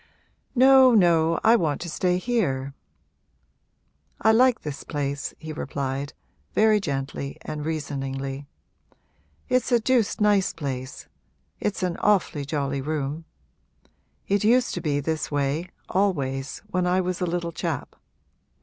'No, no, I want to stay here I like this place,' he replied, very gently and reasoningly. 'It's a deuced nice place it's an awfully jolly room. It used to be this way always when I was a little chap.